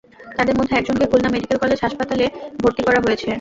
তাঁদের মধ্যে একজনকে খুলনা মেডিকেল কলেজ হাসপাতালে হাসপাতালে ভর্তি করা হয়েছে।